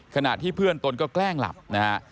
ขณะที่เพื่อนตนก็แกล้งหลับนะฮะ